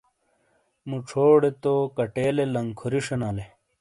مُچھو ڑے تو کَٹیلے لنکھوری شینالے۔